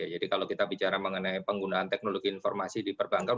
jadi kalau kita bicara mengenai penggunaan teknologi informasi di perbankan